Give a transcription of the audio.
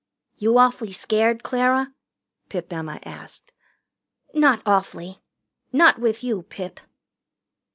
"You awfully scared, Clara?" Pip Emma asked. "Not awfully not with you, Pip."